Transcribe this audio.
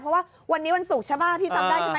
เพราะว่าวันนี้วันศุกร์ใช่ป่ะพี่จำได้ใช่ไหม